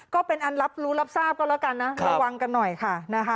ก็เป็นอันรับรู้รับทราบก็แล้วกันนะระวังกันหน่อยค่ะนะคะ